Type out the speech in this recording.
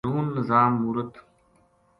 ہارون نظام مورت